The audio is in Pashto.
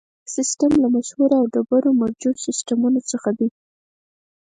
مټریک سیسټم له مشهورو او ډېرو مروجو سیسټمونو څخه دی.